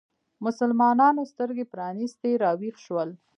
مسلمانانو سترګې پرانیستې راویښ شول